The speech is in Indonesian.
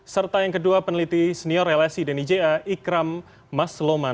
serta yang kedua peneliti senior lsi dnija ikram masloman